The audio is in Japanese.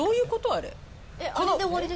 あれあれで終わりですか？